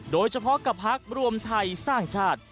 โดยเฉพาะกับพักรวมไทยสร้างชาติ